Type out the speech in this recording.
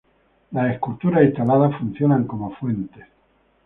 Las esculturas instaladas funcionan como fuentes.